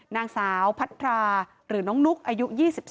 นางสาวพัทราหรือน้องนุ๊กอายุ๒๒